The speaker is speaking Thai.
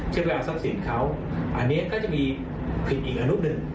เชื่อไปอาศัพท์ศิลป์เขาอันนี้ก็จะมีผิดอีกอันลูกหนึ่ง